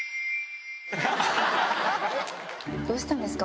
どうしたんですか？